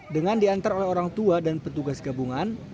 dengan diantar oleh orang tua dan petugas gabungan